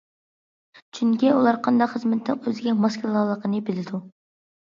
چۈنكى ئۇلار قانداق خىزمەتنىڭ ئۆزىگە ماس كېلىدىغانلىقىنى بىلىدۇ.